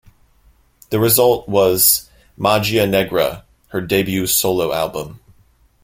The result was "Magia Negra", her debut solo album.